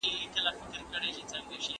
ایا موضوع د پوهنتون لخوا تایید سوي ده؟